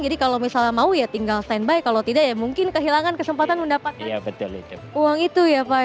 jadi kalau misalnya mau ya tinggal stand by kalau tidak ya mungkin kehilangan kesempatan mendapatkan uang itu ya pak